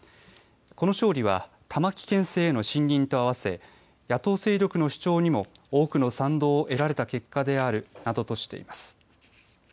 この勝利は玉城県政への信任と合わせ、野党勢力の主張にも多くの賛同を得られた結果であるなどとしています。